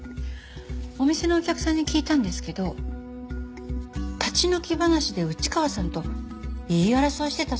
お店のお客さんに聞いたんですけど立ち退き話で内川さんと言い争いしてたそうですね。